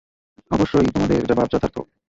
অবশ্যই তোমাদের জবাব যথার্থ।